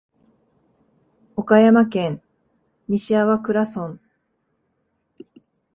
岡山県西粟倉村